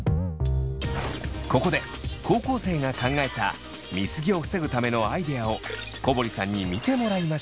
ここで高校生が考えた見過ぎを防ぐためのアイデアを小堀さんに見てもらいました。